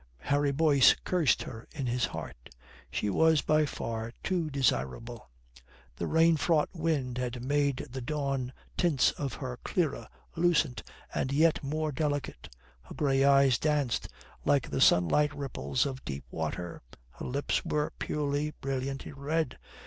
Harry Boyce cursed her in his heart. She was by far too desirable. The rain fraught wind had made the dawn tints of her clearer, lucent and yet more delicate. Her grey eyes danced like the sunlight ripples of deep water. Her lips were purely, brilliantly red.